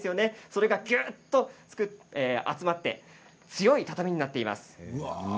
それが、きゅっと集まって強い畳になっています。